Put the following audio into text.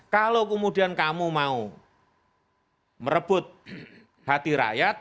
kalau kemudian kamu mau merebut hati rakyat